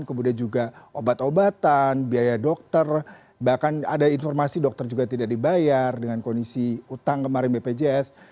kemudian juga obat obatan biaya dokter bahkan ada informasi dokter juga tidak dibayar dengan kondisi utang kemarin bpjs